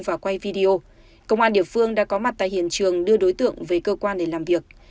và quay video công an địa phương đã có mặt tại hiện trường đưa đối tượng về cơ quan để làm việc